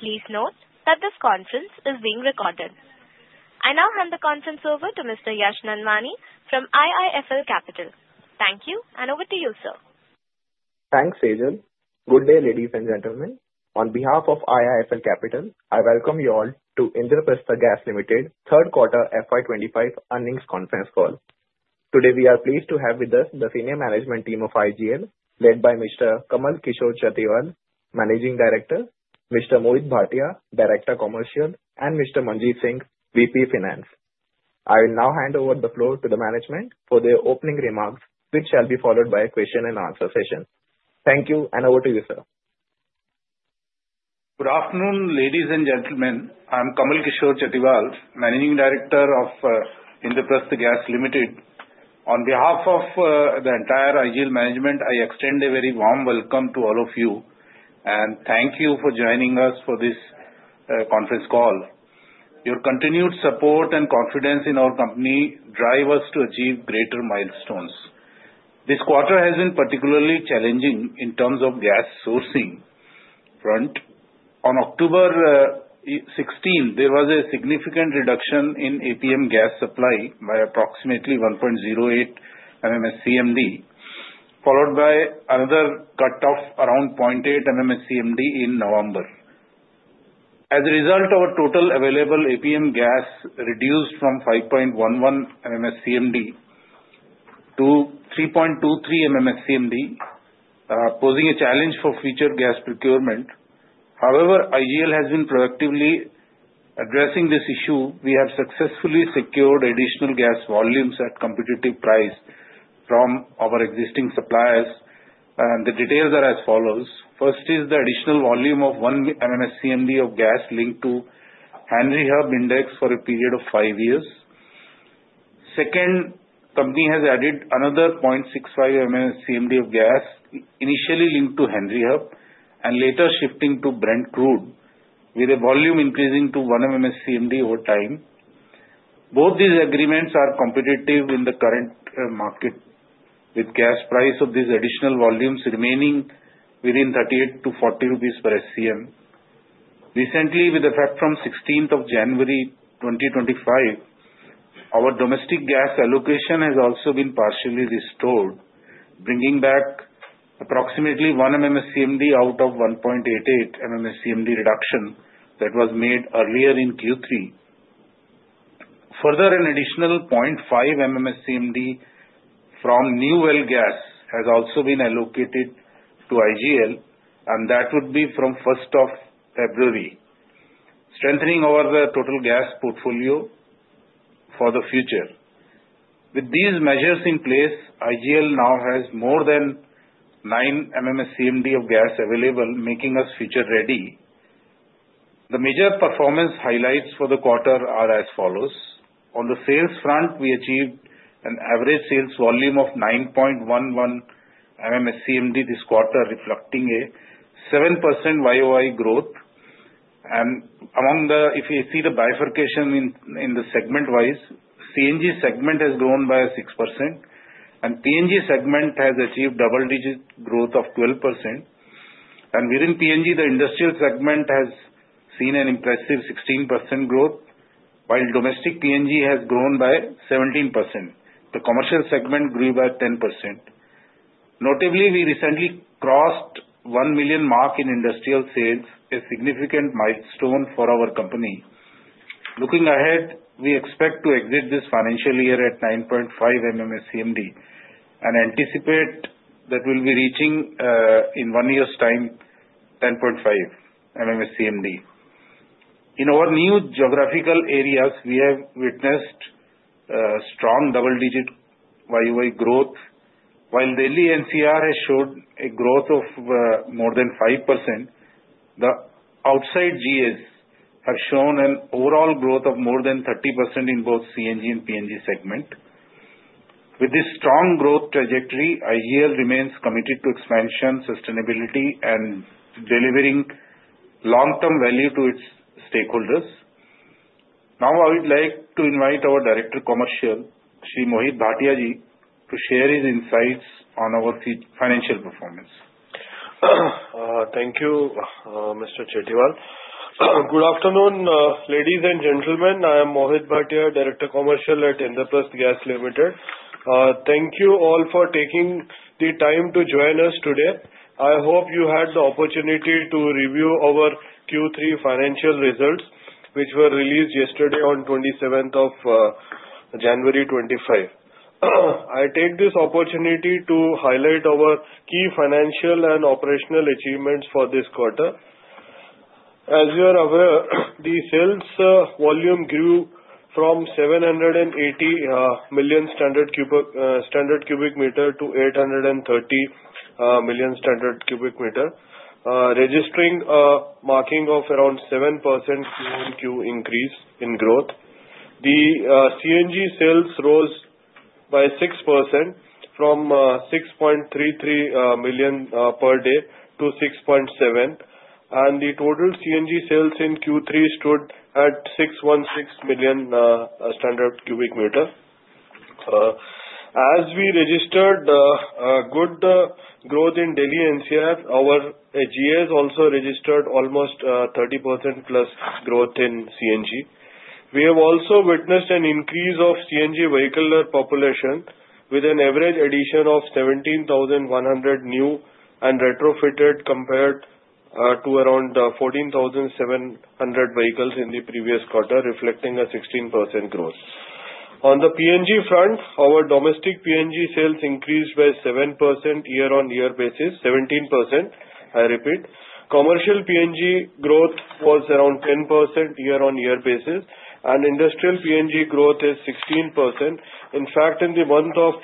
Please note that this conference is being recorded. I now hand the conference over to Mr. Yash Nanvani from IIFL Securities. Thank you, and over to you, sir. Thanks, Agent. Good day, ladies and gentlemen. On behalf of IIFL Securities, I welcome you all to Indraprastha Gas Limited's Third Quarter FY25 Earnings Conference Call. Today, we are pleased to have with us the senior management team of IGL, led by Mr. Kamal Kishore Chatiwal, Managing Director, Mr. Mohit Bhatia, Director Commercial, and Mr. Manjeet Singh, VP Finance. I will now hand over the floor to the management for their opening remarks, which shall be followed by a question-and-answer session. Thank you, and over to you, sir. Good afternoon, ladies and gentlemen. I'm Kamal Kishore Chatiwal, Managing Director of Indraprastha Gas Limited. On behalf of the entire IGL management, I extend a very warm welcome to all of you, and thank you for joining us for this conference call. Your continued support and confidence in our company drive us to achieve greater milestones. This quarter has been particularly challenging in terms of gas sourcing. On October 16, there was a significant reduction in APM gas supply by approximately 1.08 MMSCMD, followed by another cut of around 0.8 MMSCMD in November. As a result, our total available APM gas reduced from 5.11 MMSCMD to 3.23 MMSCMD, posing a challenge for future gas procurement. However, IGL has been proactively addressing this issue. We have successfully secured additional gas volumes at competitive price from our existing suppliers, and the details are as follows. First is the additional volume of 1 MMSCMD of gas linked to Henry Hub index for a period of five years. Second, the company has added another 0.65 MMSCMD of gas, initially linked to Henry Hub and later shifting to Brent Crude, with a volume increasing to 1 MMSCMD over time. Both these agreements are competitive in the current market, with gas prices of these additional volumes remaining within ₹38-₹40 per SCM. Recently, with effect from the 16th of January, 2025, our domestic gas allocation has also been partially restored, bringing back approximately 1 MMSCMD out of 1.88 MMSCMD reduction that was made earlier in Q3. Further, an additional 0.5 MMSCMD from New Well Gas has also been allocated to IGL, and that would be from the 1st of February, strengthening our total gas portfolio for the future. With these measures in place, IGL now has more than 9 MMSCMD of gas available, making us future-ready. The major performance highlights for the quarter are as follows. On the sales front, we achieved an average sales volume of 9.11 MMSCMD this quarter, reflecting a 7% YoY growth, and among the, if you see the bifurcation in the segment-wise, CNG segment has grown by 6%, and PNG segment has achieved double-digit growth of 12%, and within PNG, the industrial segment has seen an impressive 16% growth, while domestic PNG has grown by 17%. The commercial segment grew by 10%. Notably, we recently crossed the one million mark in industrial sales, a significant milestone for our company. Looking ahead, we expect to exit this financial year at 9.5 MMSCMD and anticipate that we'll be reaching, in one year's time, 10.5 MMSCMD. In our new geographical areas, we have witnessed strong double-digit YoY growth, while Delhi NCR has showed a growth of more than 5%. The outside GAs have shown an overall growth of more than 30% in both CNG and PNG segment. With this strong growth trajectory, IGL remains committed to expansion, sustainability, and delivering long-term value to its stakeholders. Now, I would like to invite our Director Commercial, Shri Mohit Bhatia, to share his insights on our financial performance. Thank you, Mr. Chatiwal. Good afternoon, ladies and gentlemen. I am Mohit Bhatia, Director, Commercial at Indraprastha Gas Limited. Thank you all for taking the time to join us today. I hope you had the opportunity to review our Q3 financial results, which were released yesterday, on 27th of January 2025. I take this opportunity to highlight our key financial and operational achievements for this quarter. As you are aware, the sales volume grew from 780 million standard cubic meters to 830 million standard cubic meters, registering a marking of around 7% QoQ increase in growth. The CNG sales rose by 6%, from 6.33 million per day to 6.7, and the total CNG sales in Q3 stood at 616 million standard cubic meters. As we registered good growth in Delhi NCR, our PNG also registered almost 30% plus growth in CNG. We have also witnessed an increase of CNG vehicular population, with an average addition of 17,100 new and retrofitted, compared to around 14,700 vehicles in the previous quarter, reflecting a 16% growth. On the PNG front, our domestic PNG sales increased by 7% year-on-year basis, 17%. I repeat, commercial PNG growth was around 10% year-on-year basis, and industrial PNG growth is 16%. In fact, in the month of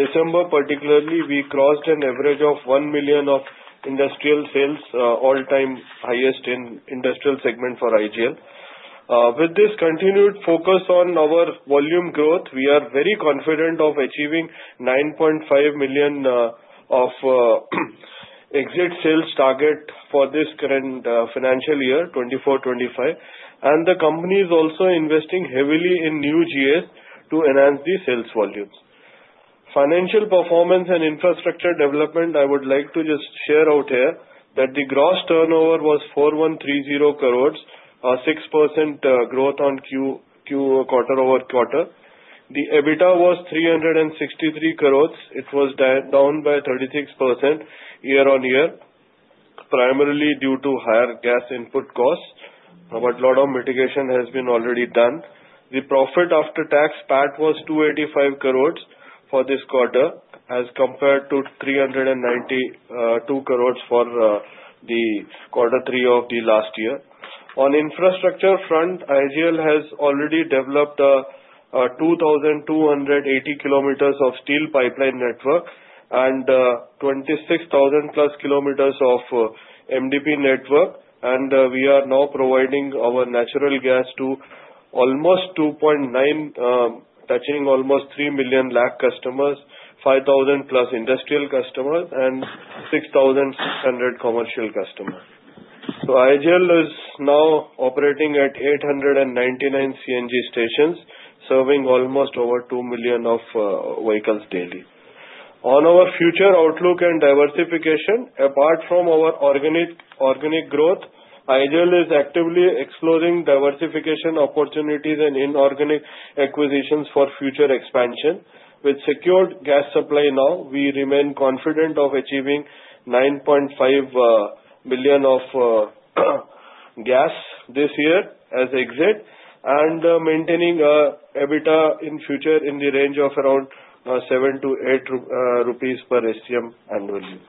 December, particularly, we crossed an average of 1 million of industrial sales, all-time highest in the industrial segment for IGL. With this continued focus on our volume growth, we are very confident of achieving 9.5 million of exit sales target for this current financial year, 2024-25, and the company is also investing heavily in new GAs to enhance the sales volumes. Financial performance and infrastructure development. I would like to just share out here that the gross turnover was 4,130 crores, a 6% growth on quarter-over-quarter. The EBITDA was 363 crores. It was down by 36% year-on-year, primarily due to higher gas input costs, but a lot of mitigation has been already done. The profit after-tax PAT was 285 crores for this quarter, as compared to 392 crores for the quarter three of the last year. On the infrastructure front, IGL has already developed 2,280 kilometers of steel pipeline network and 26,000 plus kilometers of MDPE network, and we are now providing our natural gas to almost 2.9, touching almost 3 million domestic customers, 5,000 plus industrial customers, and 6,600 commercial customers. So IGL is now operating at 899 CNG stations, serving almost over 2 million vehicles daily. On our future outlook and diversification, apart from our organic growth, IGL is actively exploring diversification opportunities and inorganic acquisitions for future expansion. With secured gas supply now, we remain confident of achieving 9.5 million of gas this year as exit and maintaining EBITDA in the future in the range of around ₹7-₹8 per SCM annually.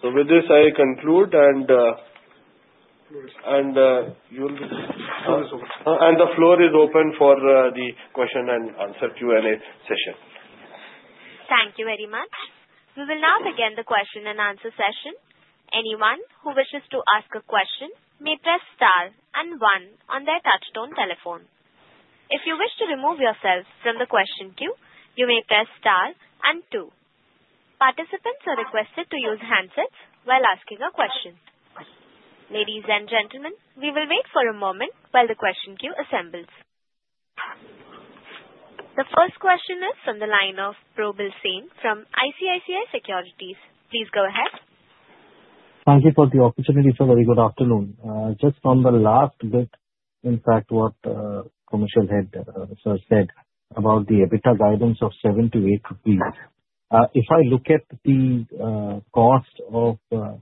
So with this, I conclude, and the floor is open for the question-and-answer Q&A session. Thank you very much. We will now begin the question-and-answer session. Anyone who wishes to ask a question may press star and one on their touchtone telephone. If you wish to remove yourself from the question queue, you may press star and two. Participants are requested to use handsets while asking a question. Ladies and gentlemen, we will wait for a moment while the question queue assembles. The first question is from the line of Probal Sen from ICICI Securities. Please go ahead. Thank you for the opportunity for a very good afternoon. Just on the last bit, in fact, what the commercial head said about the EBITDA guidance of 7-8 rupees. If I look at the cost of the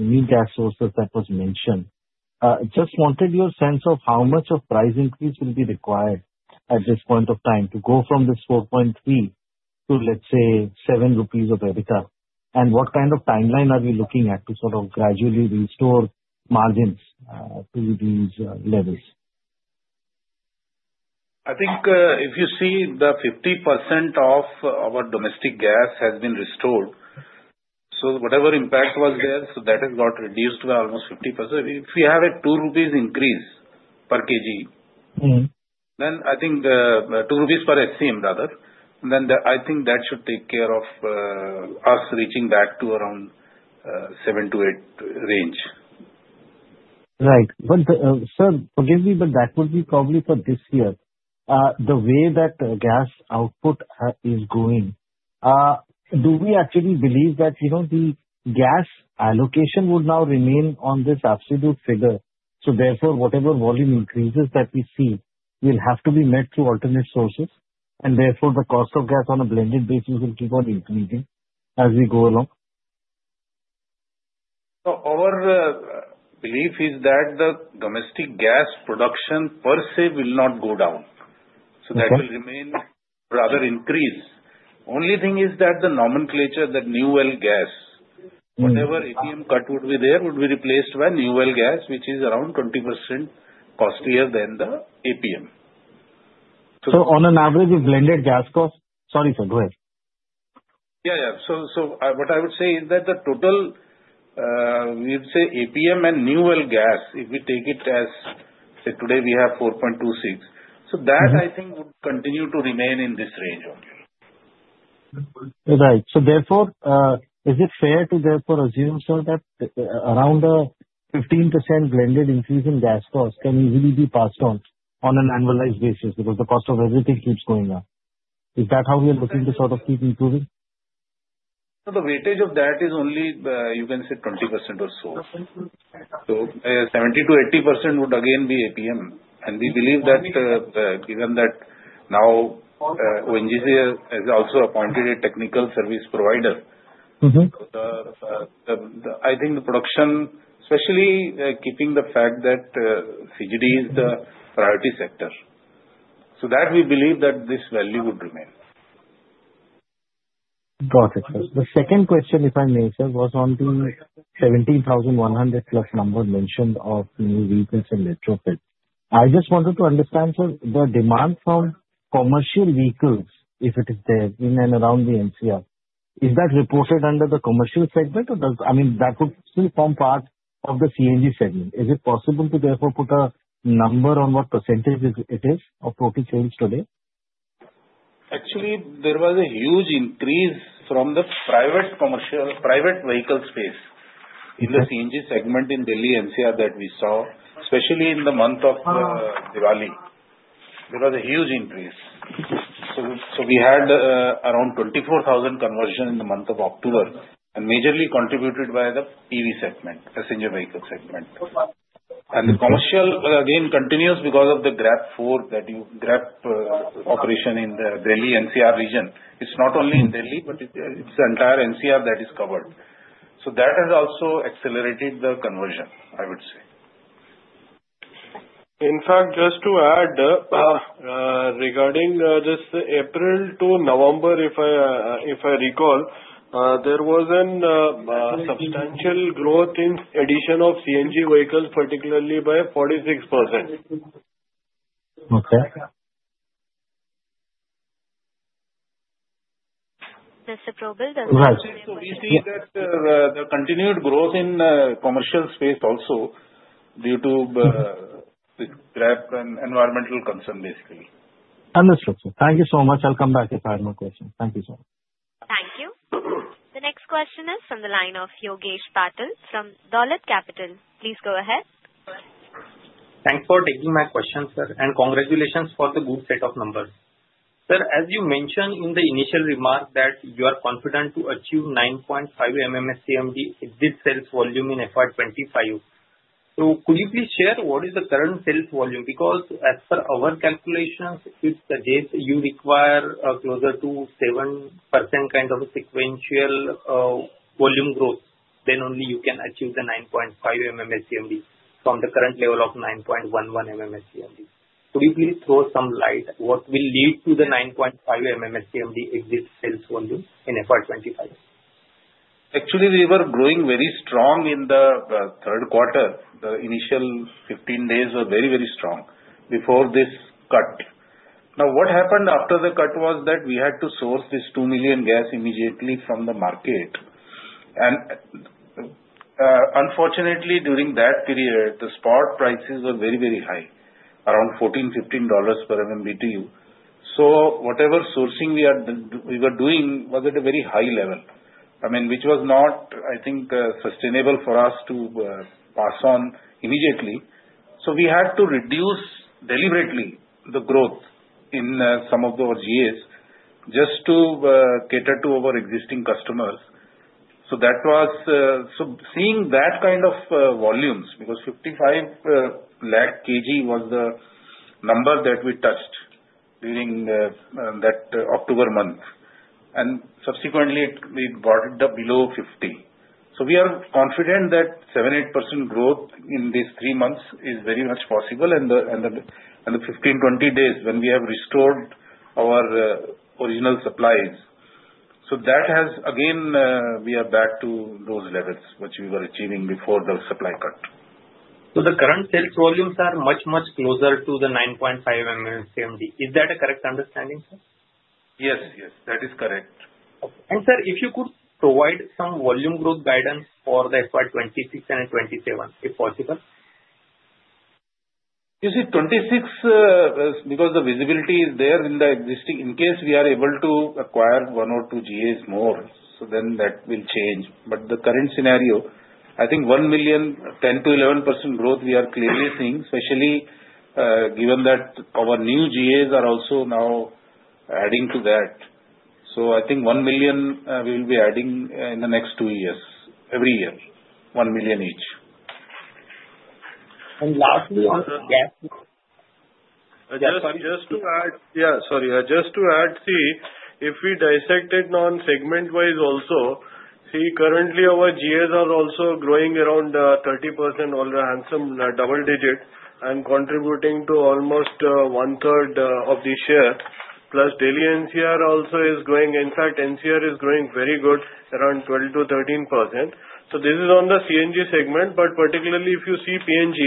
new gas sources that were mentioned, I just wanted your sense of how much of a price increase will be required at this point of time to go from this 4.3 to, let's say, 7 rupees of EBITDA, and what kind of timeline are we looking at to sort of gradually restore margins to these levels? I think if you see the 50% of our domestic gas has been restored, so whatever impact was there, so that has got reduced by almost 50%. If we have a 2 rupees increase per kg, then I think 2 rupees per SCM, rather, then I think that should take care of us reaching back to around 7-8 range. Right. But, sir, forgive me, but that would be probably for this year. The way that gas output is going, do we actually believe that the gas allocation would now remain on this absolute figure? So therefore, whatever volume increases that we see will have to be met through alternate sources, and therefore, the cost of gas on a blended basis will keep on increasing as we go along? So our belief is that the domestic gas production per se will not go down. So that will remain rather increase. The only thing is that the nomenclature that New Well Gas, whatever APM cut would be there, would be replaced by New Well Gas, which is around 20% costlier than the APM. So on an average, the blended gas cost, sorry, sir, go ahead. Yeah, yeah. So what I would say is that the total, we would say APM and New Well Gas, if we take it as, say, today we have 4.26. So that, I think, would continue to remain in this range only. Right. So therefore, is it fair to assume, sir, that around a 15% blended increase in gas cost can easily be passed on an annualized basis because the cost of everything keeps going up? Is that how we are looking to sort of keep improving? So the weightage of that is only, you can say, 20% or so. So 70%-80% would again be APM, and we believe that, given that now ONGC has also appointed a technical service provider, I think the production, especially keeping the fact that CGD is the priority sector, so that we believe that this value would remain. Got it. The second question, if I may, sir, was on the 17,100-plus number mentioned of new vehicles and retrofit. I just wanted to understand, sir, the demand from commercial vehicles, if it is there in and around the NCR, is that reported under the commercial segment, or does, I mean, that would still form part of the CNG segment? Is it possible to therefore put a number on what percentage it is of total sales today? Actually, there was a huge increase from the private vehicle space in the CNG segment in Delhi NCR that we saw, especially in the month of Diwali. There was a huge increase. So we had around 24,000 conversions in the month of October, and it was majorly contributed by the EV segment, passenger vehicle segment. And the commercial, again, continues because of the GRAP 4 operation in the Delhi NCR region. It's not only in Delhi, but it's the entire NCR that is covered. So that has also accelerated the conversion, I would say. In fact, just to add, regarding this April to November, if I recall, there was a substantial growth in the addition of CNG vehicles, particularly by 46%. Okay. Mr. Probal? Right. So we see that the continued growth in the commercial space also due to the GRAP and environmental concern, basically. Understood, sir. Thank you so much. I'll come back if I have more questions. Thank you, sir. Thank you. The next question is from the line of Yogesh Patil from Dolat Capital. Please go ahead. Thanks for taking my question, sir, and congratulations for the good set of numbers. Sir, as you mentioned in the initial remark that you are confident to achieve 9.5 MMSCMD exit sales volume in FY 25, so could you please share what is the current sales volume? Because as per our calculations, if you require closer to 7% kind of sequential volume growth, then only you can achieve the 9.5 MMSCMD from the current level of 9.11 MMSCMD. Could you please throw some light on what will lead to the 9.5 MMSCMD exit sales volume in FY 25? Actually, we were growing very strong in the third quarter. The initial 15 days were very, very strong before this cut. Now, what happened after the cut was that we had to source this 2 million gas immediately from the market, and unfortunately, during that period, the spot prices were very, very high, around $14-$15 per MMBTU. So whatever sourcing we were doing was at a very high level, I mean, which was not, I think, sustainable for us to pass on immediately. So we had to reduce deliberately the growth in some of our GAs just to cater to our existing customers. So seeing that kind of volumes, because 55 lakh kg was the number that we touched during that October month, and subsequently, it bottomed below 50. So we are confident that 7%-8% growth in these three months is very much possible in the 15-20 days when we have restored our original supplies. So that has, again, we are back to those levels which we were achieving before the supply cut. The current sales volumes are much, much closer to the 9.5 MMSCMD. Is that a correct understanding, sir? Yes, yes. That is correct. Sir, if you could provide some volume growth guidance for the FY26 and FY27, if possible. You see, 26, because the visibility is there in the existing. In case we are able to acquire one or two GAs more, so then that will change, but the current scenario, I think one million, 10%-11% growth we are clearly seeing, especially given that our new GAs are also now adding to that, so I think one million we will be adding in the next two years, every year, one million each. Lastly, on gas. Just to add, yeah, sorry, just to add, see, if we dissected on segment-wise also, see, currently our GAs are also growing around 30%, all the handsome double digit, and contributing to almost one-third of the share. Plus, Delhi NCR also is growing. In fact, NCR is growing very good, around 12%-13%. So this is on the CNG segment, but particularly if you see PNG,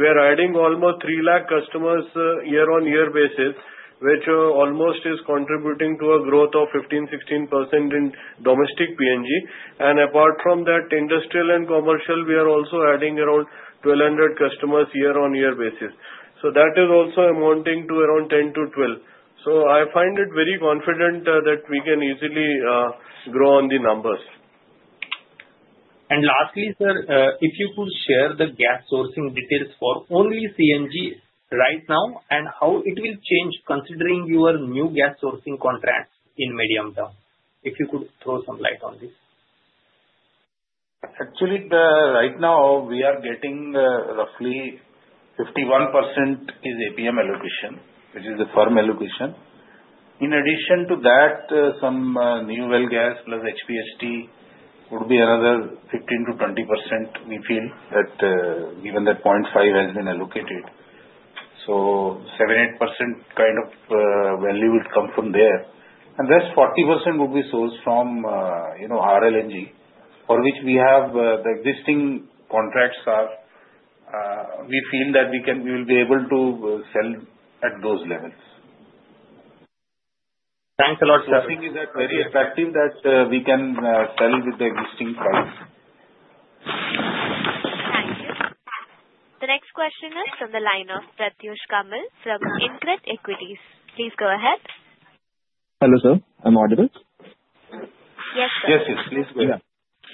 we are adding almost 3 lakh customers year-on-year basis, which almost is contributing to a growth of 15%-16% in domestic PNG. And apart from that, industrial and commercial, we are also adding around 1,200 customers year-on-year basis. So that is also amounting to around 10%-12%. So I find it very confident that we can easily grow on the numbers. Lastly, sir, if you could share the gas sourcing details for only CNG right now and how it will change considering your new gas sourcing contract in Medium Term, if you could throw some light on this? Actually, right now, we are getting roughly 51% is APM allocation, which is the firm allocation. In addition to that, some New Well Gas plus HPHT would be another 15%-20%, we feel that given that 0.5 has been allocated. So 7%, 8% kind of value will come from there. And the rest 40% would be sourced from RLNG, for which we have the existing contracts. We feel that we will be able to sell at those levels. Thanks a lot, sir. The good thing is that very attractive that we can sell with the existing price. Thank you. The next question is from the line of Pratyush Kumar from InCred Equities. Please go ahead. Hello, sir. I'm audible? Yes, sir. Yes, yes. Please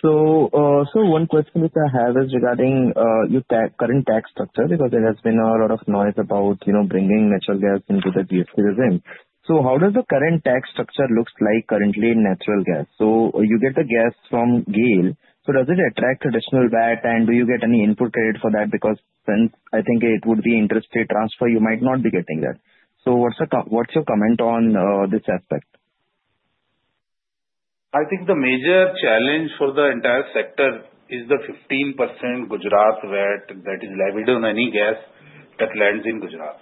go ahead. Yeah. So one question which I have is regarding your current tax structure because there has been a lot of noise about bringing natural gas into the GST regime. So how does the current tax structure look like currently in natural gas? So you get the gas from GAIL. So does it attract additional VAT, and do you get any input credit for that? Because I think it would be inter-state transfer, you might not be getting that. So what's your comment on this aspect? I think the major challenge for the entire sector is the 15% Gujarat VAT that is levied on any gas that lands in Gujarat,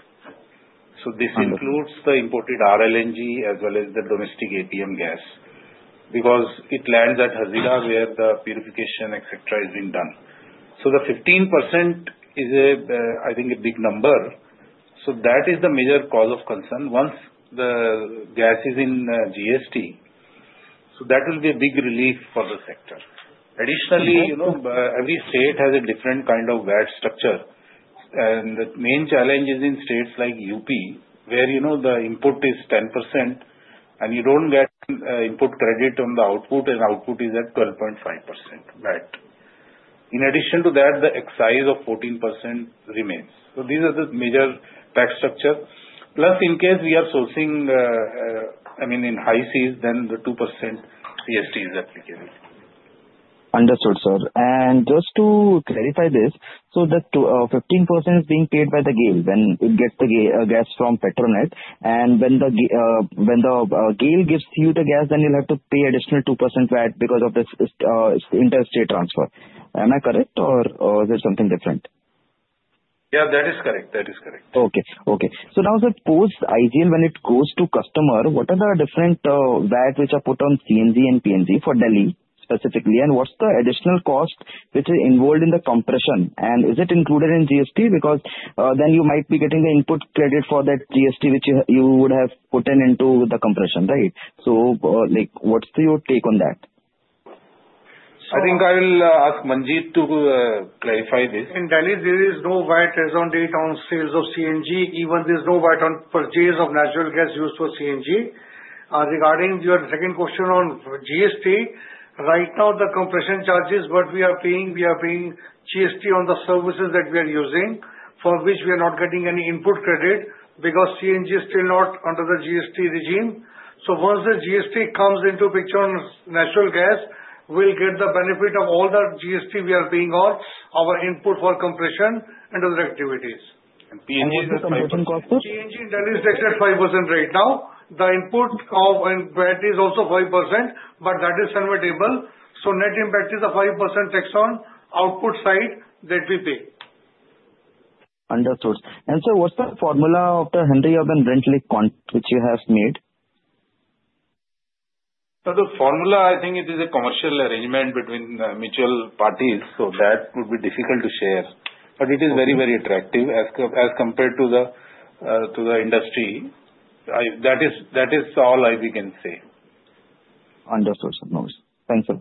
so this includes the imported RLNG as well as the domestic APM gas because it lands at Hazira where the purification, etc., is being done, so the 15% is, I think, a big number, so that is the major cause of concern once the gas is in GST, so that will be a big relief for the sector. Additionally, every state has a different kind of VAT structure, and the main challenge is in states like UP, where the input is 10%, and you don't get input credit on the output, and output is at 12.5% VAT. In addition to that, the excise of 14% remains, so these are the major tax structures. Plus, in case we are sourcing, I mean, in high seas, then the 2% GST is applicable. Understood, sir. And just to clarify this, so the 15% is being paid by the GAIL when it gets the gas from Petronas, and when the GAIL gives you the gas, then you'll have to pay additional 2% VAT because of the interstate transfer. Am I correct, or is it something different? Yeah, that is correct. That is correct. Okay, okay. So now, suppose LNG, when it goes to customer, what are the different VATs which are put on CNG and PNG for Delhi specifically? And what's the additional cost which is involved in the compression? And is it included in GST? Because then you might be getting the input credit for that GST which you would have put into the compression, right? So what's your take on that? I think I will ask Manjeet to clarify this. In Delhi, there is no VAT added on sales of CNG, even, there's no VAT on purchase of natural gas used for CNG. Regarding your second question on GST, right now, the compression charges, what we are paying, we are paying GST on the services that we are using, for which we are not getting any input credit because CNG is still not under the GST regime. So once the GST comes into the picture on natural gas, we'll get the benefit of all the GST we are paying on our input for compression and other activities. PNG is the 5%? PNG in Delhi is taxed at 5% right now. The input VAT is also 5%, but that is convertible. So net impact is a 5% tax on output side that we pay. Understood. And sir, what's the formula of the Henry Hub and Brent linked contract which you have made? The formula, I think it is a commercial arrangement between mutual parties, so that would be difficult to share. But it is very, very attractive as compared to the industry. That is all I can say. Understood, sir. No worries. Thank you.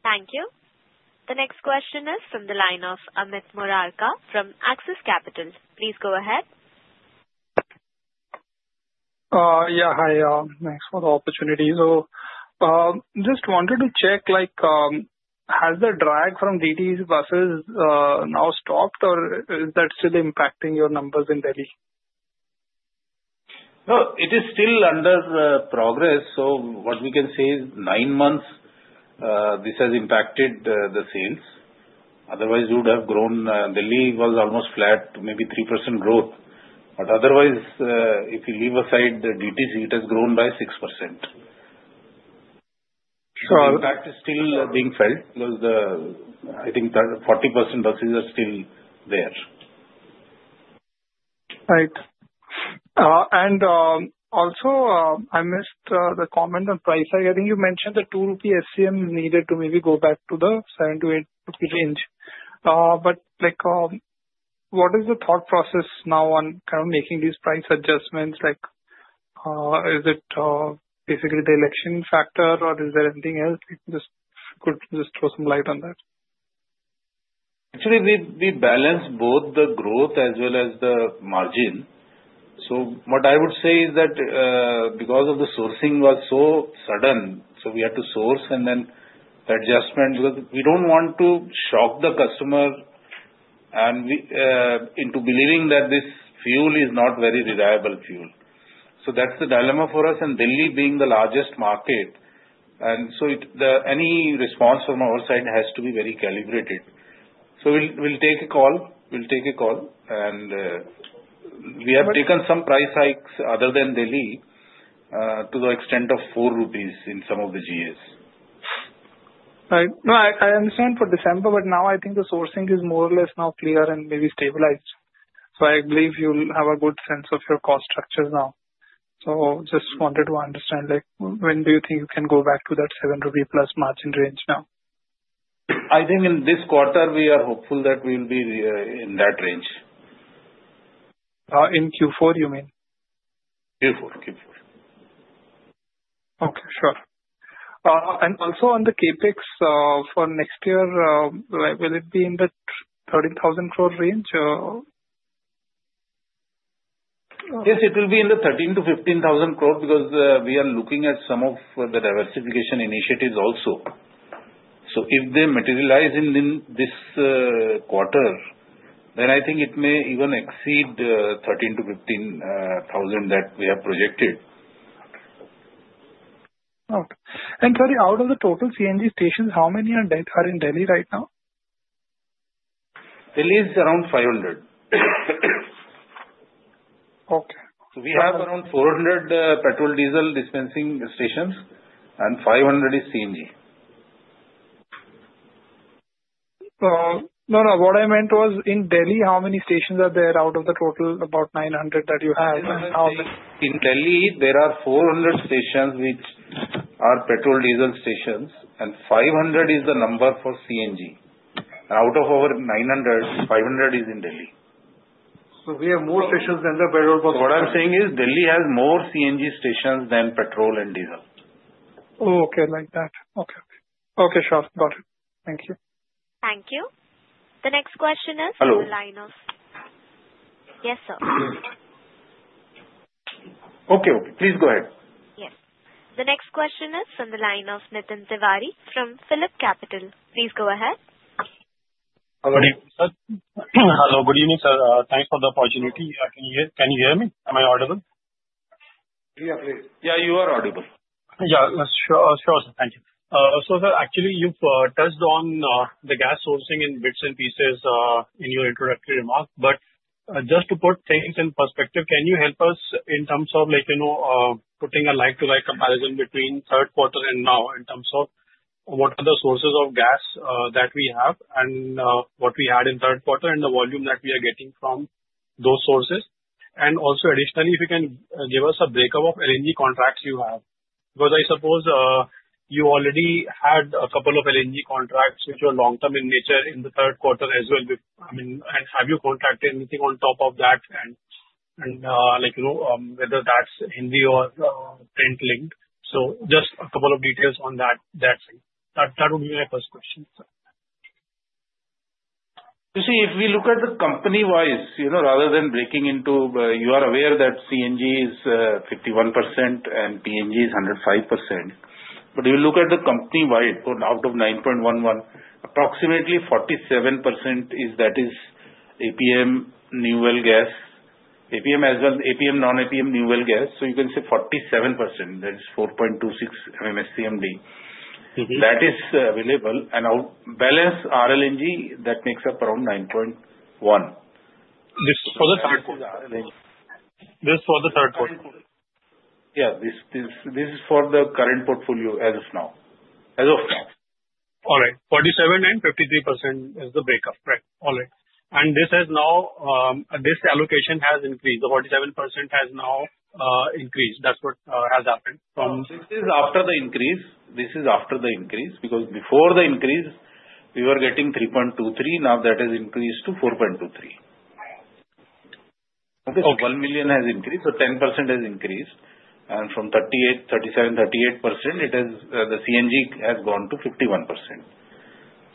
Thank you. The next question is from the line of Amit Murarka from Axis Capital. Please go ahead. Yeah, hi. Thanks for the opportunity. So just wanted to check, has the drag from DTC buses now stopped, or is that still impacting your numbers in Delhi? No, it is still under progress. So what we can say is nine months, this has impacted the sales. Otherwise, we would have grown. Delhi was almost flat, maybe 3% growth. But otherwise, if you leave aside the DTC, it has grown by 6%. So the impact is still being felt because I think 40% buses are still there. Right. And also, I missed the comment on price. I think you mentioned the 2 rupee SCM is needed to maybe go back to the seven to eight range? But what is the thought process now on kind of making these price adjustments? Is it basically the election factor, or is there anything else? If you could just throw some light on that. Actually, we balance both the growth as well as the margin. So what I would say is that because the sourcing was so sudden, so we had to source and then adjustment because we don't want to shock the customer into believing that this fuel is not very reliable fuel. So that's the dilemma for us, and Delhi being the largest market. And so any response from our side has to be very calibrated. So we'll take a call. We'll take a call. And we have taken some price hikes other than Delhi to the extent of 4 rupees in some of the GAs. Right. No, I understand for December, but now I think the sourcing is more or less now clear and maybe stabilized. So I believe you'll have a good sense of your cost structures now. So just wanted to understand, when do you think you can go back to that 7 rupee plus margin range now? I think in this quarter, we are hopeful that we'll be in that range. In Q4, you mean? Q4, Q4. Okay, sure. And also on the CapEx for next year, will it be in the 13,000 crore range? Yes, it will be in the 13-15 thousand crore because we are looking at some of the diversification initiatives also. So if they materialize in this quarter, then I think it may even exceed 13-15 thousand that we have projected. Okay, and sorry, out of the total CNG stations, how many are in Delhi right now? Delhi is around 500. Okay. So we have around 400 petrol, diesel dispensing stations, and 500 is CNG. No, no. What I meant was in Delhi, how many stations are there out of the total about 900 that you have? In Delhi, there are 400 stations which are petrol, diesel stations, and 500 is the number for CNG. Out of our 900, 500 is in Delhi. We have more stations than the petrol. What I'm saying is Delhi has more CNG stations than petrol and diesel. Oh, okay, like that. Okay, okay. Okay, sure. Got it. Thank you. Thank you. The next question is from the line of. Hello. Yes, sir. Okay, okay. Please go ahead. Yes. The next question is from the line of Nitin Tiwari from PhillipCapital. Please go ahead. How are you? Hello, good evening, sir. Thanks for the opportunity. Can you hear me? Am I audible? Yeah, please. Yeah, you are audible. Yeah, sure, sure, sir. Thank you. So, sir, actually, you've touched on the gas sourcing in bits and pieces in your introductory remark. But just to put things in perspective, can you help us in terms of putting a like-to-like comparison between third quarter and now in terms of what are the sources of gas that we have and what we had in third quarter and the volume that we are getting from those sources? And also, additionally, if you can give us a breakup of LNG contracts you have. Because I suppose you already had a couple of LNG contracts which were long-term in nature in the third quarter as well. I mean, and have you contracted anything on top of that? And whether that's Henry or Brent linked? So just a couple of details on that, that's it. That would be my first question. You see, if we look at the company-wise, rather than breaking into, you are aware that CNG is 51% and PNG is 105%. But you look at the company-wide, out of 9.11, approximately 47% is that is APM, New Well Gas, APM as well, APM, non-APM, New Well Gas. So you can say 47%, that is 4.26 MMSCMD. That is available. And balance RLNG, that makes up around 9.1. This is for the third quarter? This is for the third quarter. Third quarter. Yeah, this is for the current portfolio as of now. As of now. All right. 47% and 53% is the breakup, right? All right. And this has now, this allocation has increased. The 47% has now increased. That's what has happened from. This is after the increase. This is after the increase because before the increase, we were getting $3.23. Now that has increased to $4.23. Okay. So 1 million has increased. So 10% has increased. And from 38, 37, 38%, it has; the CNG has gone to 51%.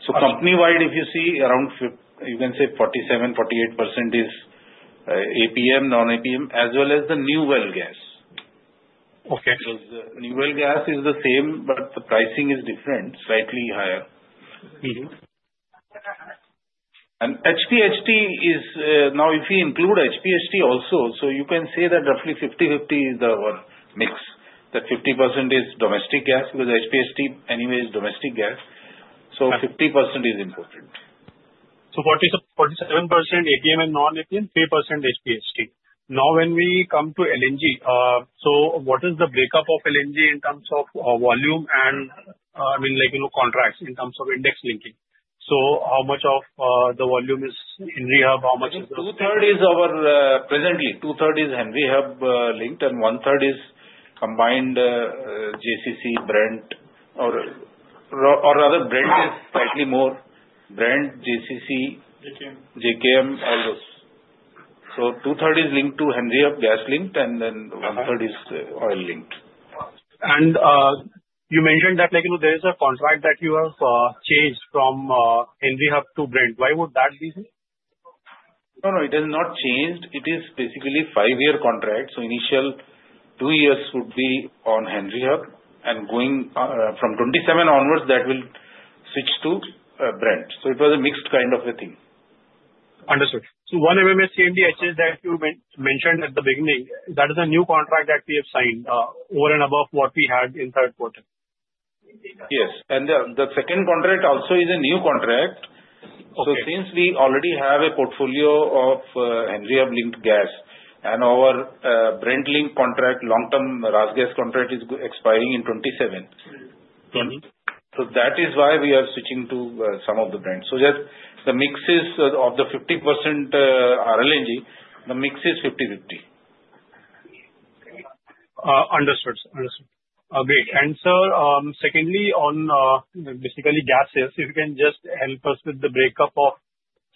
So company-wide, if you see, around you can say 47, 48% is APM, non-APM, as well as the New Well Gas. Okay. Because New Well Gas is the same, but the pricing is different, slightly higher, and HPHT is now, if we include HPHT also, so you can say that roughly 50/50 is the mix. That 50% is domestic gas because HPHT anyway is domestic gas, so 50% is important. So 47% APM and non-APM, 3% HPHT. Now, when we come to LNG, so what is the breakup of LNG in terms of volume and, I mean, contracts in terms of index linking? So how much of the volume is Henry Hub? How much is the? Two-thirds is Henry Hub linked, and one-third is combined JCC, Brent, or rather, Brent is slightly more. Brent, JCC, JKM, all those. So two-thirds is linked to Henry Hub, and then one-third is oil linked. You mentioned that there is a contract that you have changed from Henry Hub to Brent. Why would that be? No, no. It has not changed. It is basically five-year contract. So initial two years would be on Henry Hub. And going from 2027 onwards, that will switch to Brent. So it was a mixed kind of a thing. Understood. So one MMSCMD, HH that you mentioned at the beginning, that is a new contract that we have signed over and above what we had in third quarter. Yes. And the second contract also is a new contract. So since we already have a portfolio of Henry Hub linked gas, and our Brent linked contract, long-term RasGas contract is expiring in 2027. So that is why we are switching to some of the Brent. So the mix is of the 50% RLNG, the mix is 50/50. Understood. Great. And sir, secondly, on basically gas sales, if you can just help us with the breakup of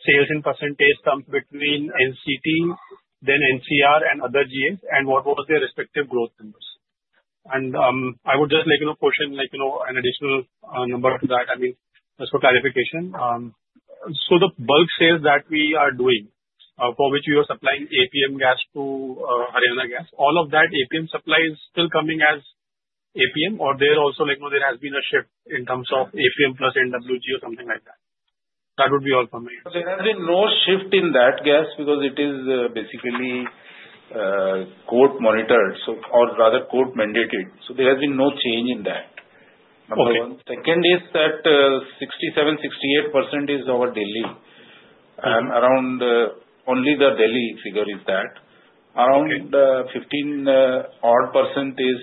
sales in percentage terms between NCT, then NCR, and other GAs, and what was their respective growth numbers? And I would just like to question an additional number to that. I mean, just for clarification. So the bulk sales that we are doing, for which we are supplying APM gas to Haryana Gas, all of that APM supply is still coming as APM, or there also there has been a shift in terms of APM plus NWG or something like that? That would be all for me. There has been no shift in that gas because it is basically court monitored, or rather court mandated. So there has been no change in that. Number one. Second is that 67-68% is our Delhi. And around only the Delhi figure is that. Around 15-odd% is,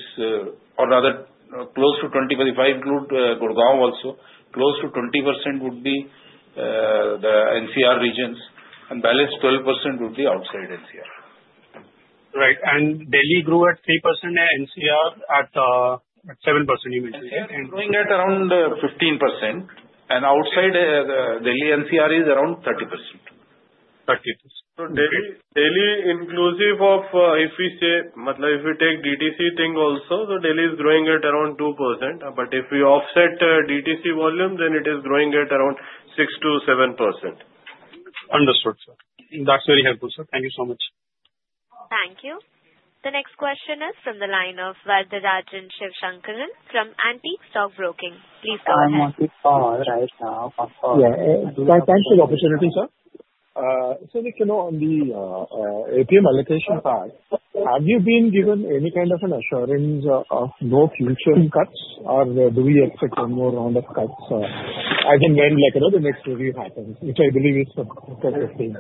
or rather close to 20, if I include Gurgaon also, close to 20% would be the NCR regions. And balance 12% would be outside NCR. Right. Delhi grew at 3% and NCR at 7%, you mentioned. Delhi is growing at around 15%. And outside Delhi, NCR is around 30%. 30%. Delhi, inclusive of if we say, if we take DTC thing also, so Delhi is growing at around 2%. But if we offset DTC volume, then it is growing at around 6%-7%. Understood, sir. That's very helpful, sir. Thank you so much. Thank you. The next question is from the line of Varatharajan Sivasankaran from Antique Stockbroking. Please go ahead. Yeah. Can I take the opportunity, sir? So on the APM allocation part, have you been given any kind of an assurance of no future cuts, or do we expect one more round of cuts? As in when the next review happens, which I believe is the 15th.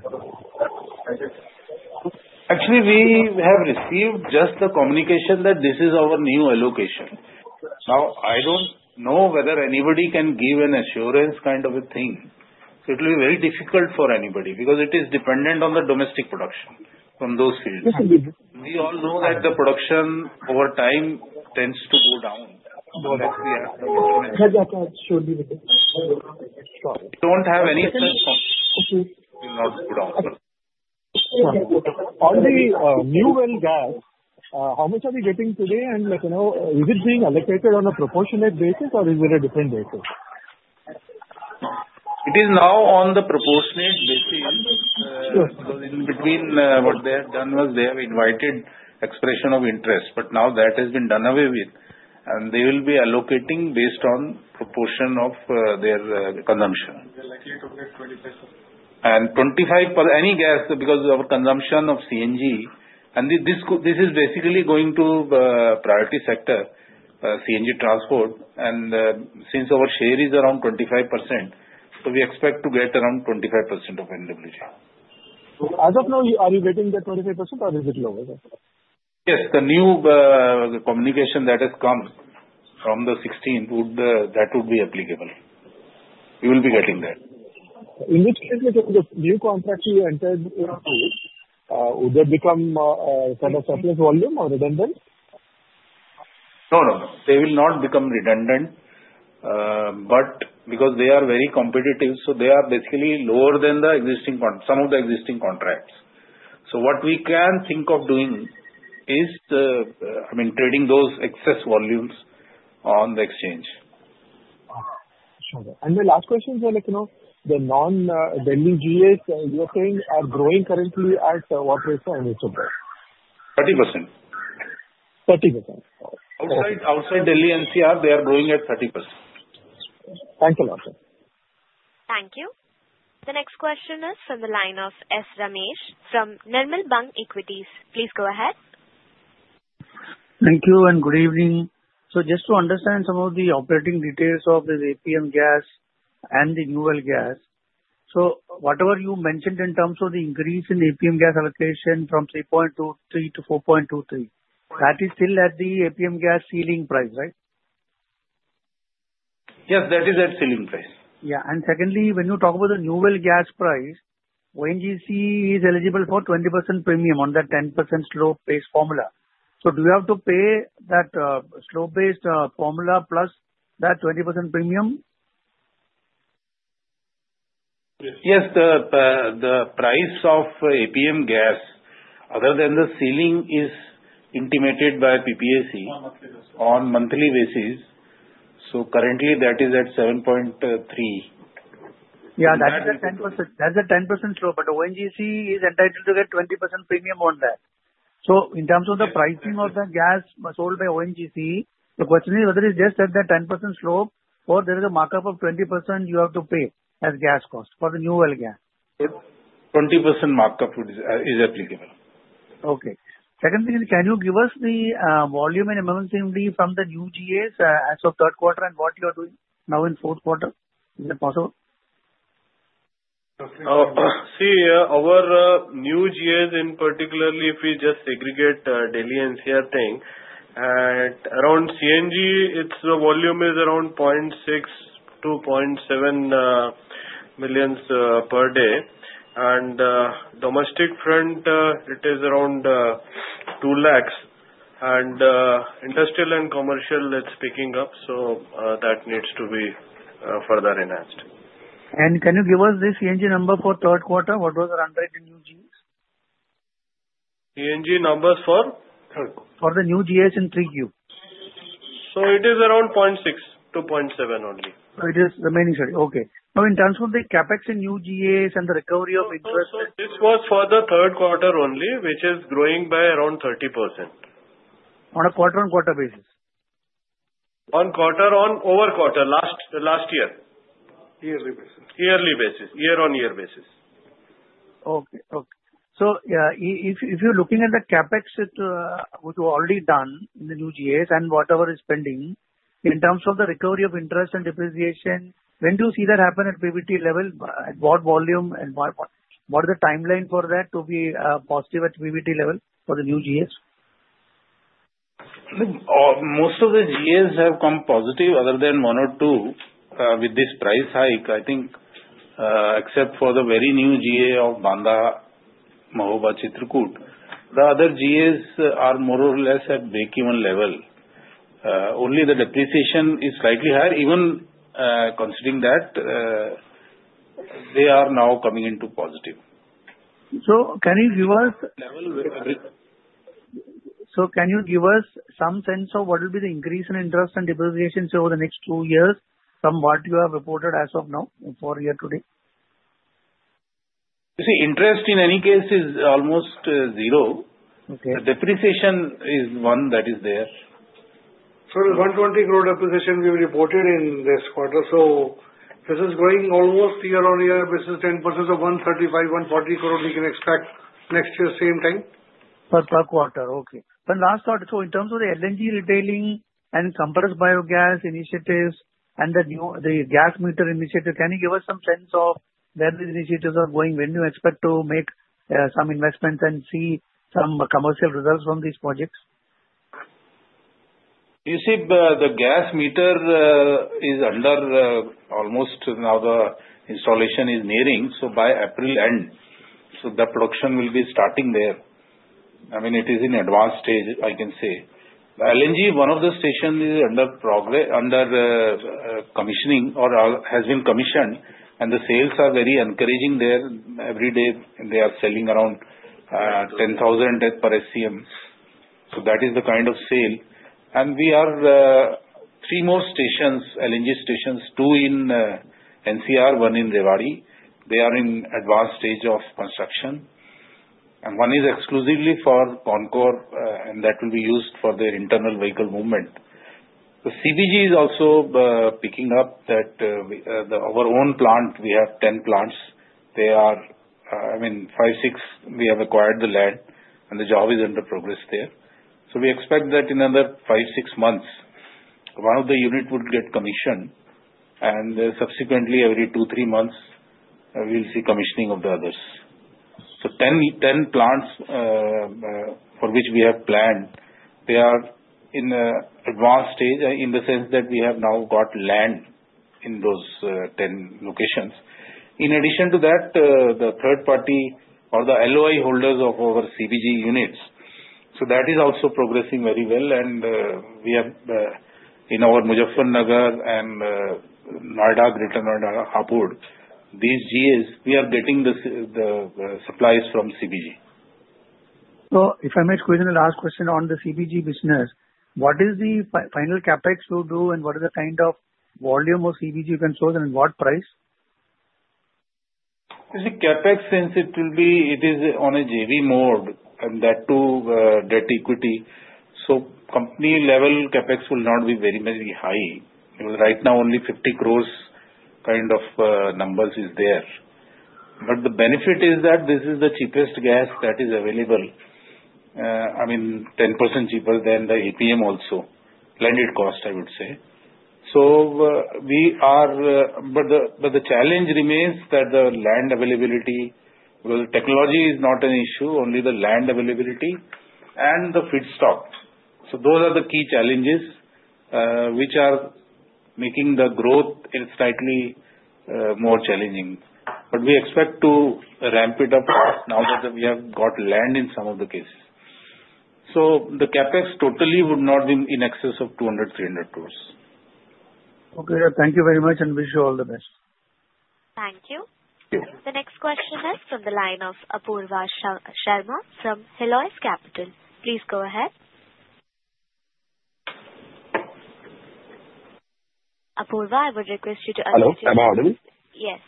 Actually, we have received just the communication that this is our new allocation. Now, I don't know whether anybody can give an assurance kind of a thing. So it will be very difficult for anybody because it is dependent on the domestic production from those fields. We all know that the production over time tends to go down. Sorry. Don't have any sense from. Okay. It will not go down. On the New Well Gas, how much are we getting today? And is it being allocated on a proportionate basis, or is it a different basis? It is now on the proportionate basis. Sure. Because in between, what they have done was they have invited expression of interest, but now that has been done away with and they will be allocating based on proportion of their consumption. They're likely to get 25%. 25% of any gas because of consumption of CNG. This is basically going to priority sector, CNG transport. Since our share is around 25%, so we expect to get around 25% of NWG. As of now, are you getting that 25%, or is it lower? Yes. The new communication that has come from the 16th, that would be applicable. We will be getting that. In which case, with the new contract you entered, would there become a kind of surplus volume or redundant? No, no, no. They will not become redundant. But because they are very competitive, so they are basically lower than some of the existing contracts. So what we can think of doing is, I mean, trading those excess volumes on the exchange. Sure. And the last question is, the non-Delhi GAs, you're saying, are growing currently at what rate per annum? 30%. 30%. Outside Delhi NCR, they are growing at 30%. Thank you a lot, sir. Thank you. The next question is from the line of S. Ramesh from Nirmal Bang Equities. Please go ahead. Thank you and good evening. Just to understand some of the operating details of the APM gas and the New Well gas. Whatever you mentioned in terms of the increase in APM gas allocation from 3.23 to 4.23, that is still at the APM gas ceiling price, right? Yes, that is at ceiling price. Yeah. And secondly, when you talk about the New Well gas price, ONGC is eligible for 20% premium on that 10% slope-based formula. So do you have to pay that slope-based formula plus that 20% premium? Yes. The price of APM gas, other than the ceiling, is intimated by PPAC on monthly basis. So currently, that is at 7.3. Yeah, that's the 10%. That's the 10% slope. But ONGC is entitled to get 20% premium on that. So in terms of the pricing of the gas sold by ONGC, the question is whether it's just at that 10% slope or there is a markup of 20% you have to pay as gas cost for the New Well Gas. 20% markup is applicable. Okay. Second thing is, can you give us the volume and MMSCMD from the new GAs as of third quarter and what you are doing now in fourth quarter? Is it possible? See, our new GAs, in particular, if we just segregate Delhi NCR thing, around CNG, its volume is around 0.6-0.7 million per day. And domestic front, it is around 2 lakhs. And industrial and commercial, it's picking up. So that needs to be further enhanced. Can you give us the CNG number for third quarter? What was the run rate in new GAs? CNG numbers for? For the new GAs in 3Q. It is around 0.6-0.7 only. It is remaining shared. Okay. Now, in terms of the CapEx in new GAs and the recovery of interest. This was for the third quarter only, which is growing by around 30%. On a quarter-on-quarter basis? On quarter-on-quarter, last year. Yearly basis. Yearly basis. Year-on-year basis. Okay. Okay. So if you're looking at the CapEx, which was already done in the new GAs and whatever is pending, in terms of the recovery of interest and depreciation, when do you see that happen at PBT level? At what volume? And what is the timeline for that to be positive at PBT level for the new GAs? Most of the GAs have come positive, other than one or two, with this price hike, I think, except for the very new GA of Banda Mahoba Chitrakoot. The other GAs are more or less at break-even level. Only the depreciation is slightly higher. Even considering that, they are now coming into positive. So, can you give us? Level. Can you give us some sense of what will be the increase in interest and depreciation over the next two years from what you have reported as of now for year to date? You see, interest in any case is almost zero. The depreciation is one that is there. So the 120 crore depreciation we have reported in this quarter. So this is growing almost year-on-year. This is 10% of 135-140 crore we can expect next year same time. Per quarter. Okay. But last thought, so in terms of the LNG retailing and Compressed Bio Gas initiatives and the gas meter initiative, can you give us some sense of where these initiatives are going? When do you expect to make some investments and see some commercial results from these projects? You see, the gas meter is under almost now the installation is nearing. So by April end, so the production will be starting there. I mean, it is in advanced stage, I can say. LNG, one of the stations is under commissioning or has been commissioned. And the sales are very encouraging there. Every day, they are selling around 10,000 per SCM. So that is the kind of sale. And we are three more stations, LNG stations, two in NCR, one in Rewari. They are in advanced stage of construction. And one is exclusively for CONCOR, and that will be used for their internal vehicle movement. The CBG is also picking up that our own plant, we have 10 plants. They are, I mean, five, six, we have acquired the land, and the job is under progress there. We expect that in another five, six months, one of the units would get commissioned. Subsequently, every two, three months, we'll see commissioning of the others. 10 plants for which we have planned, they are in advanced stage in the sense that we have now got land in those 10 locations. In addition to that, the third party or the LOI holders of our CBG units. That is also progressing very well. We have in our Muzaffarnagar and Nardak, Kaithal, Hapur, these GAs, we are getting the supplies from CBG. So if I may question, last question on the CBG business, what is the final CapEx will do, and what is the kind of volume of CBG you can source, and what price? You see, CapEx, since it will be, it is on a JV mode, and that too debt equity. So company-level CapEx will not be very high. Right now, only 50 crores kind of numbers is there. But the benefit is that this is the cheapest gas that is available. I mean, 10% cheaper than the APM also. Blended cost, I would say. So we are, but the challenge remains that the land availability, well, technology is not an issue, only the land availability and the feedstock. So those are the key challenges which are making the growth slightly more challenging. But we expect to ramp it up now that we have got land in some of the cases. So the CapEx totally would not be in excess of 200-300 crores. Okay. Thank you very much, and wish you all the best. Thank you. The next question is from the line of Apurva Sharma from Helios Capital. Please go ahead. Apurva, I would request you to unmute yourself. Hello. Am I audible? Yes.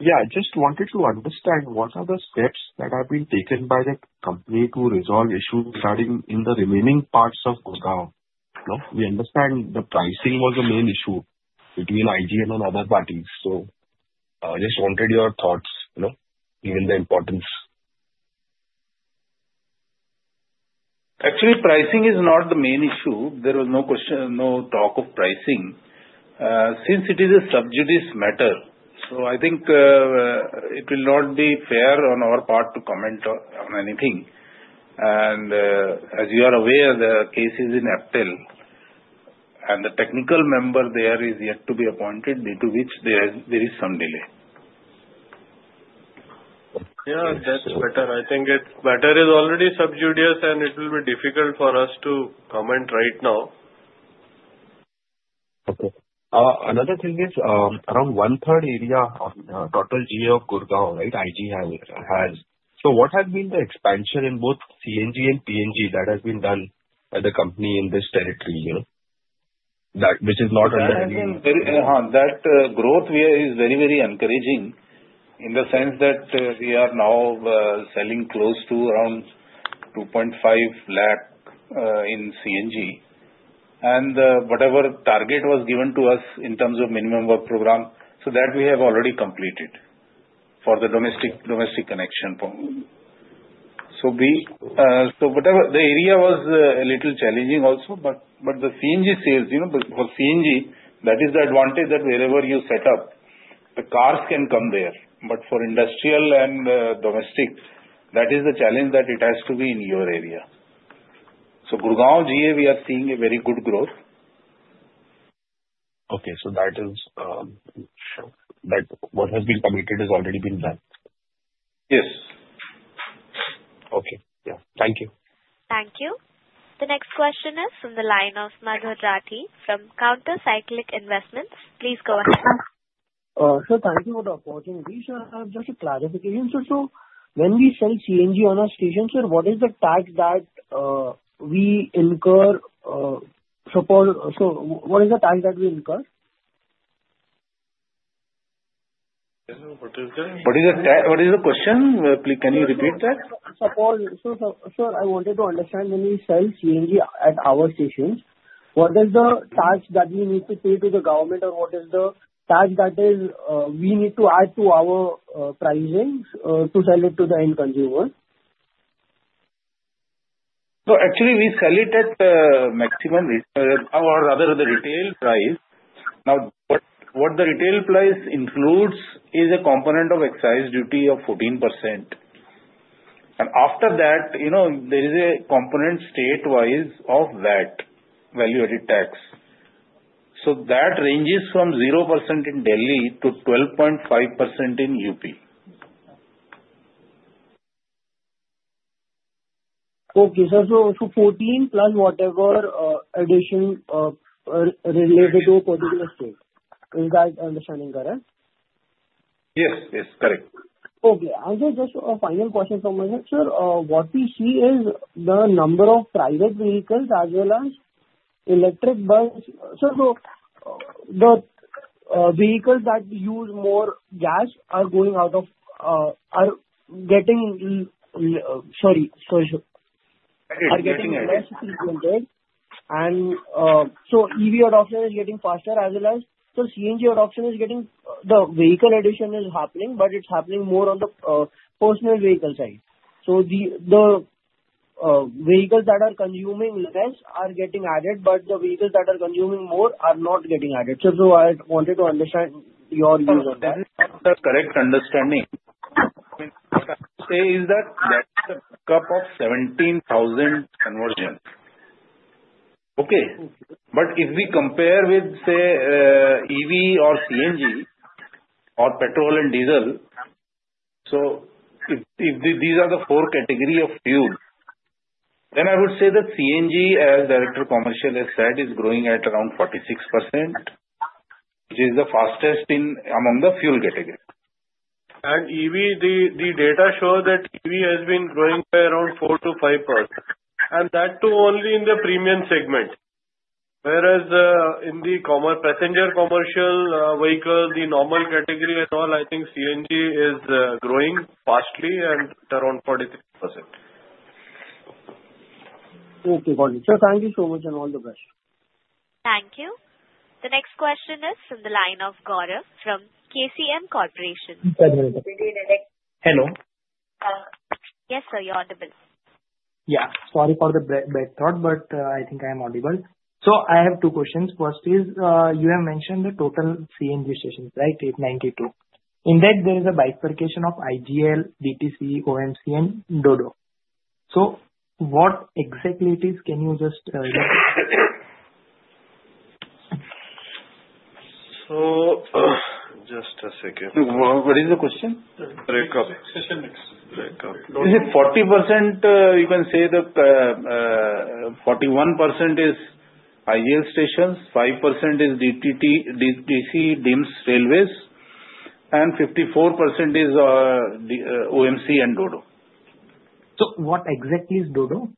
Yeah. I just wanted to understand what are the steps that have been taken by the company to resolve issues starting in the remaining parts of Gurgaon. We understand the pricing was the main issue between IGL and other parties. So I just wanted your thoughts, given the importance. Actually, pricing is not the main issue. There was no talk of pricing since it is a sub judice matter. So I think it will not be fair on our part to comment on anything. And as you are aware, the case is in APTEL, and the technical member there is yet to be appointed, due to which there is some delay. Yeah, that's better. I think it is better as it is already sub judice, and it will be difficult for us to comment right now. Okay. Another thing is around one-third area of total GA of Gurugram, right? IGL has. So what has been the expansion in both CNG and PNG that has been done by the company in this territory, which is not under any? That growth is very, very encouraging in the sense that we are now selling close to around 2.5 lakh in CNG. And whatever target was given to us in terms of minimum work program, so that we have already completed for the domestic connection. So the area was a little challenging also. But the CNG sales, for CNG, that is the advantage that wherever you set up, the cars can come there. But for industrial and domestic, that is the challenge that it has to be in your area. So Gurgaon GA, we are seeing a very good growth. Okay. So that is what has been committed, has already been done. Yes. Okay. Yeah. Thank you. Thank you. The next question is from the line of Madhur Rathi from Counter Cyclical Investments. Please go ahead. Sir, thank you for the opportunity. Sir, I have just a clarification. So when we sell CNG on our stations, sir, what is the tax that we incur? What is the question? Can you repeat that? Sir, I wanted to understand when we sell CNG at our stations, what is the tax that we need to pay to the government, or what is the tax that we need to add to our pricing to sell it to the end consumer? So actually, we sell it at maximum or rather the retail price. Now, what the retail price includes is a component of excise duty of 14%. And after that, there is a component state-wise of that value-added tax. So that ranges from 0% in Delhi to 12.5% in UP. Okay, so 14 plus whatever addition related to a particular state. Is that understanding correct? Yes. Yes. Correct. Okay. I'll just ask a final question from my side. Sir, what we see is the number of private vehicles as well as electric bus. Sir, the vehicles that use more gas are getting less frequented. And so EV adoption is getting faster as well as so CNG adoption is getting the vehicle addition is happening, but it's happening more on the personal vehicle side. So the vehicles that are consuming less are getting added, but the vehicles that are consuming more are not getting added. So I wanted to understand your view on that. That is the correct understanding. I mean, what I say is that that's a cap of 17,000 conversions. Okay. But if we compare with, say, EV or CNG or petrol and diesel, so if these are the four categories of fuel, then I would say that CNG, as Director Commercial has said, is growing at around 46%, which is the fastest among the fuel category. The data shows that EV has been growing by around 4%-5%. That too only in the premium segment. Whereas in the passenger commercial vehicle, the normal category and all, I think CNG is growing fast at around 43%. Okay. Got it. Sir, thank you so much and all the best. Thank you. The next question is from the line of Gaurav from KCM Corporation. Hello. Yes, sir. You're audible. Yeah. Sorry for the backdrop, but I think I am audible. So I have two questions. First is, you have mentioned the total CNG stations, right? It's 92. In that, there is a bifurcation of IGL, DTC, OMC, and DODO. So what exactly it is? Can you just? So just a second. What is the question? Break up. 40%, you can say the 41% is IGL stations, 5% is DTC, DIMTS, railways, and 54% is OMC and DODO. So what exactly is DODO?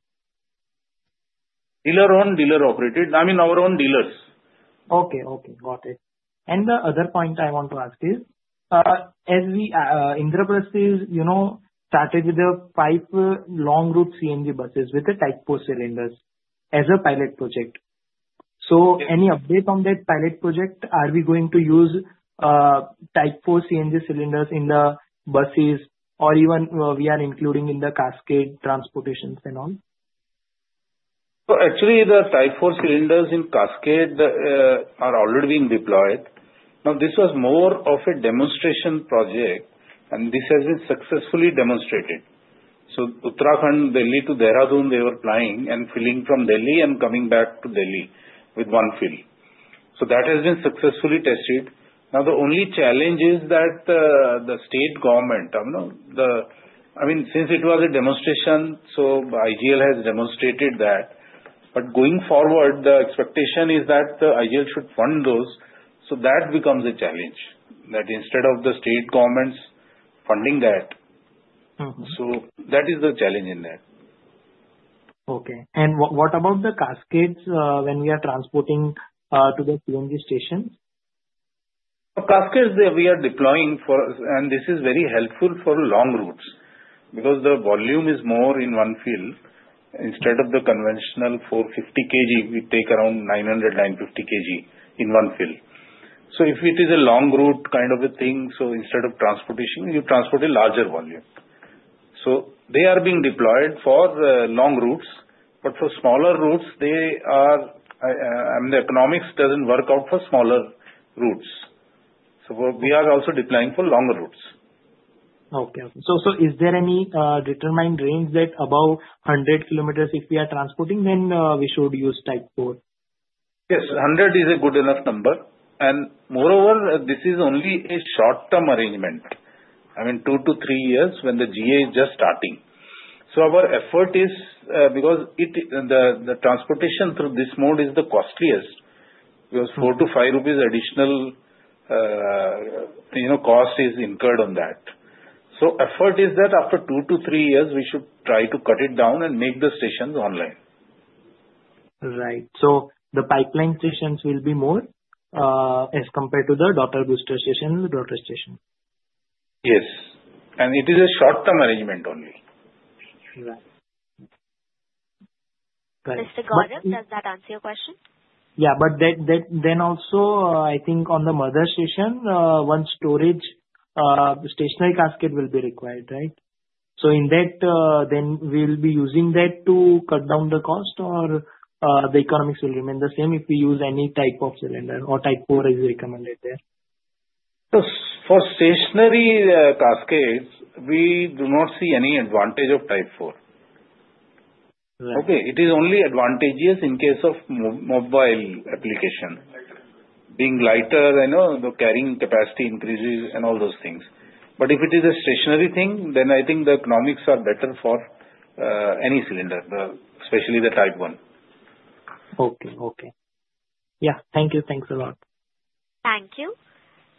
Dealer-owned, dealer-operated. I mean, our own dealers. Okay. Okay. Got it, and the other point I want to ask is, as Indraprastha started with the pilot long route CNG buses with the Type 4 cylinders as a pilot project, so any update on that pilot project? Are we going to use Type 4 CNG cylinders in the buses or even we are including in the cascade transportations and all? So actually, the Type 4 cylinders in Cascade are already being deployed. Now, this was more of a demonstration project, and this has been successfully demonstrated. So Uttarakhand, Delhi to Dehradun, they were flying and filling from Delhi and coming back to Delhi with one fill. So that has been successfully tested. Now, the only challenge is that the state government, I mean, since it was a demonstration, so IGL has demonstrated that. But going forward, the expectation is that the IGL should fund those. So that becomes a challenge that instead of the state government funding that. So that is the challenge in that. Okay. And what about the cascades when we are transporting to the CNG stations? The cascades we are deploying, and this is very helpful for long routes because the volume is more in one field. Instead of the conventional 450 kg, we take around 900, 950 kg in one field. So if it is a long route kind of a thing, so instead of transportation, you transport a larger volume. So they are being deployed for long routes. But for smaller routes, I mean, the economics doesn't work out for smaller routes. So we are also deploying for longer routes. Okay. So is there any determined range that above 100 km if we are transporting, then we should use Type 4? Yes. 100 is a good enough number. And moreover, this is only a short-term arrangement. I mean, two to three years when the GA is just starting. So our effort is because the transportation through this mode is the costliest. Because four to five rupees additional cost is incurred on that. So effort is that after two to three years, we should try to cut it down and make the stations online. Right. So the pipeline stations will be more as compared to the Daughter Booster station and the Daughter station? Yes, and it is a short-term arrangement only. Mr. Gaurav, does that answer your question? Yeah. But then also, I think on the mother station, one storage stationary cascade will be required, right? So in that, then we'll be using that to cut down the cost, or the economics will remain the same if we use any type of cylinder or Type 4 is recommended there? So for stationary cascades, we do not see any advantage of Type 4. Okay. It is only advantageous in case of mobile application. Being lighter, the carrying capacity increases and all those things. But if it is a stationary thing, then I think the economics are better for any cylinder, especially the Type 1. Okay. Yeah. Thank you. Thanks a lot. Thank you.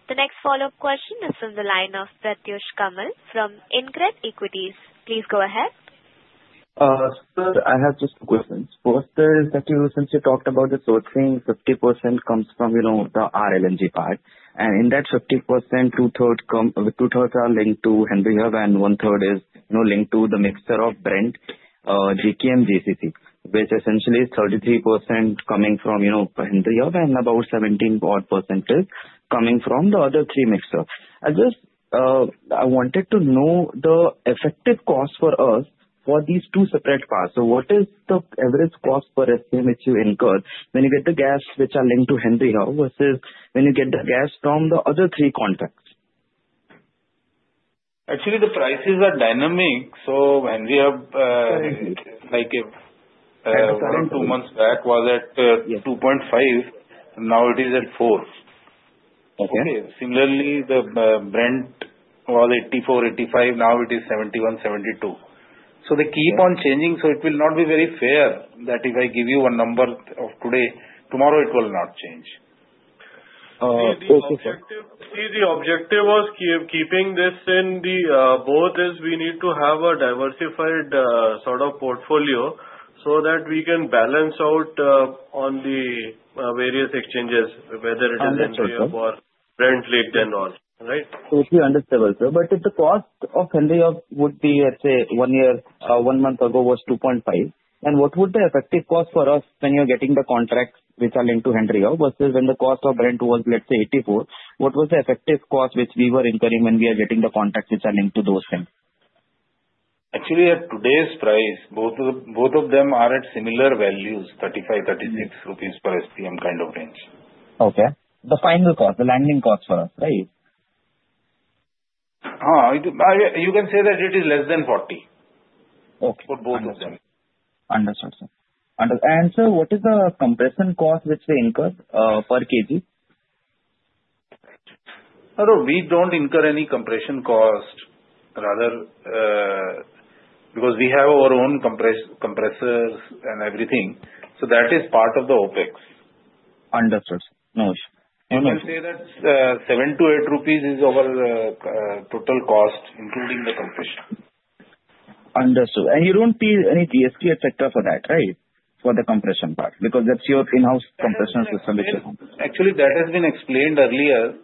The next follow-up question is from the line of Pratyush Kumar from InCred Equities. Please go ahead. Sir, I have just two questions. First is that since you talked about the sourcing, 50% comes from the RLNG part. And in that 50%, two-thirds are linked to Henry Hub, and one-third is linked to the mixture of Brent, JKM, JCC, which essentially is 33% coming from Henry Hub and about 17% coming from the other three mixtures. I wanted to know the effective cost for us for these two separate parts. So what is the average cost per SCM you incur when you get the gas which are linked to Henry Hub versus when you get the gas from the other three contracts? Actually, the prices are dynamic. So Henry Hub, like two months back, was at 2.5. Now it is at 4. Okay. Similarly, the Brent was 84-85. Now it is 71-72. So they keep on changing. So it will not be very fair that if I give you one number of today, tomorrow it will not change. The objective was keeping this in the both is we need to have a diversified sort of portfolio so that we can balance out on the various exchanges, whether it is Henry Hub or Brent, LNG, and all, right? Totally understandable, sir. But if the cost of Henry Hub would be, let's say, one month ago was 2.5, then what would the effective cost for us when you're getting the contracts which are linked to Henry Hub versus when the cost of Brent was, let's say, 84, what was the effective cost which we were incurring when we are getting the contracts which are linked to those things? Actually, at today's price, both of them are at similar values, 35-36 rupees per SCM kind of range. Okay. The final cost, the landing cost for us, right? You can say that it is less than 40 for both of them. Understood, sir. And sir, what is the compression cost which they incur per kg? We don't incur any compression cost, rather, because we have our own compressors and everything. So that is part of the OpEx. Understood, sir. No issue. You can say that 7-8 rupees is our total cost, including the compression. Understood, and you don't pay any GST, etc., for that, right, for the compression part? Because that's your in-house compression system which you have. Actually, that has been explained earlier.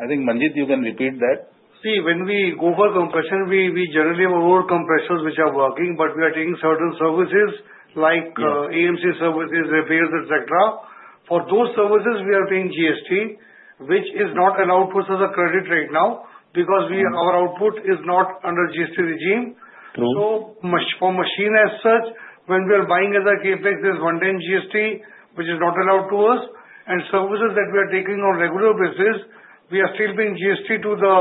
I think, Manjeet, you can repeat that. See, when we go for compression, we generally have our own compressors which are working, but we are taking certain services like AMC services, repairs, etc. For those services, we are paying GST, which is not allowed for us as a credit right now because our output is not under GST regime. So for machine as such, when we are buying as a CapEx, there's 18% GST, which is not allowed to us. And services that we are taking on a regular basis, we are still paying GST to the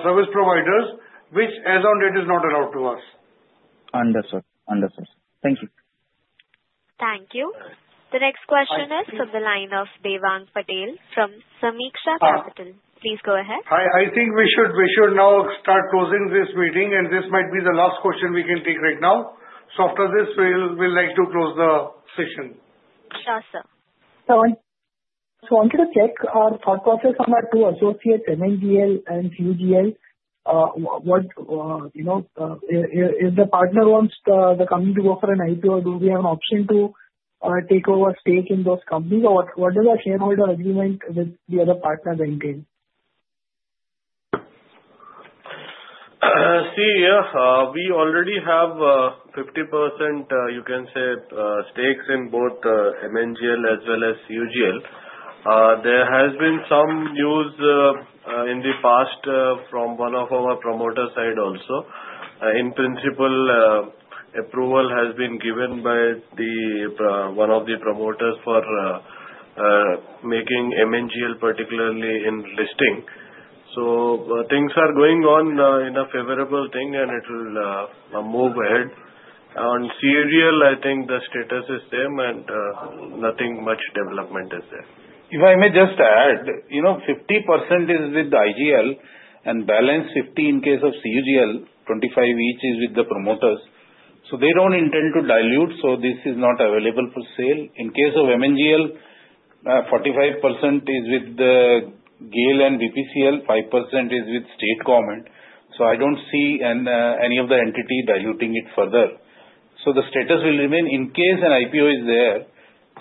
service providers, which as of date, is not allowed to us. Understood. Understood, sir. Thank you. Thank you. The next question is from the line of Devang Patel from Sameeksha Capital. Please go ahead. Hi. I think we should now start closing this meeting, and this might be the last question we can take right now. So after this, we'd like to close the session. Sure, sir. So I just wanted to check our thought process on our two associates, MNGL and CUGL. Is the partner wants the company to go for an IPO, or do we have an option to take over stake in those companies? Or what does our shareholder agreement with the other partners entail? See, yeah. We already have 50%, you can say, stakes in both MNGL as well as CUGL. There has been some news in the past from one of our promoter's side also. In principle, approval has been given by one of the promoters for making MNGL, particularly in listing. So things are going on in a favorable thing, and it will move ahead. On CUGL, I think the status is same, and nothing much development is there. If I may just add, 50% is with the IGL, and balance 50 in case of CUGL, 25 each is with the promoters. So they don't intend to dilute, so this is not available for sale. In case of MNGL, 45% is with GAIL and BPCL, 5% is with state government. So I don't see any of the entity diluting it further. So the status will remain in case an IPO is there.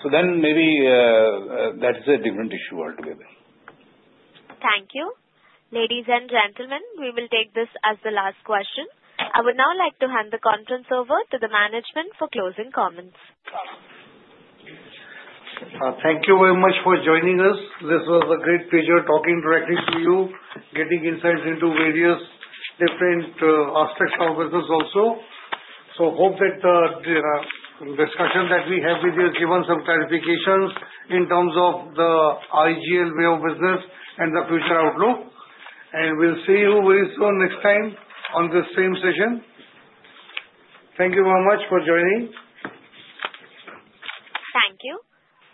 So then maybe that is a different issue altogether. Thank you. Ladies and gentlemen, we will take this as the last question. I would now like to hand the conference over to the management for closing comments. Thank you very much for joining us. This was a great pleasure talking directly to you, getting insights into various different aspects of business also. So, hope that the discussion that we have with you has given some clarifications in terms of the IGL way of business and the future outlook. And, we'll see you very soon next time on the same session. Thank you very much for joining. Thank you.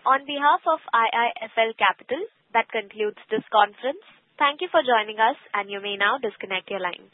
On behalf of IIFL Securities, that concludes this conference. Thank you for joining us, and you may now disconnect your lines.